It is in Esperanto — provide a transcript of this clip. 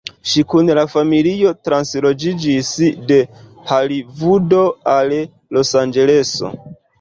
Ŝi kun la familio transloĝiĝis de Holivudo al Losanĝeleso.